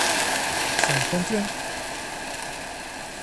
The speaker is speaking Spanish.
Se encuentra en el Pacífico oriental: el Perú.